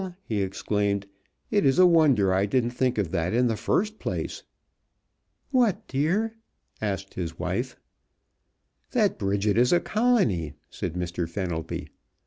he exclaimed, "it is a wonder I didn't think of that in the first place!" "What, dear?" asked his wife. "That Bridget is a colony," said Mr. Fenelby.